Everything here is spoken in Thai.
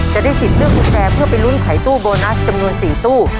จะได้สิทธิ์เลือกกุญแจเพื่อไปลุ้นไขตู้โบนัสจำนวน๔ตู้